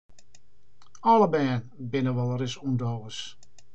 Alle bern binne wolris ûndogens.